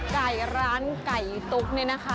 ไก่ร้านไก่ตุ๊กนี่นะคะ